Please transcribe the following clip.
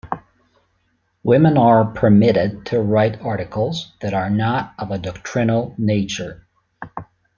Women are permitted to write articles that are not of a doctrinal nature.